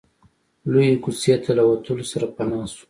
لويې کوڅې ته له وتلو سره پناه شو.